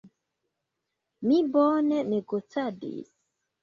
Mi bone negocadis.